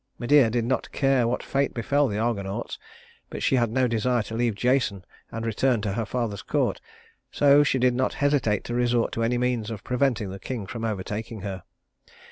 Medea did not care what fate befell the Argonauts, but she had no desire to leave Jason and return to her father's court; so she did not hesitate to resort to any means of preventing the king from overtaking her.